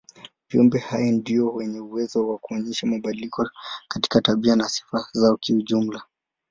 Viumbe hai ndio wenye uwezo wa kuonyesha mabadiliko katika tabia na sifa zao kijumla.